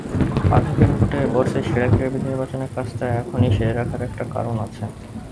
পাঠকের ভোটে বর্ষসেরা ক্রীড়াবিদ নির্বাচনের কাজটা এখনই সেরে রাখার একটা কারণ আছে।